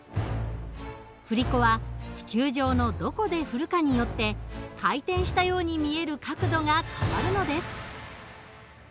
振り子は地球上のどこで振るかによって回転したように見える角度が変わるのです。